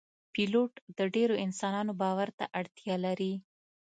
پیلوټ د ډیرو انسانانو باور ته اړتیا لري.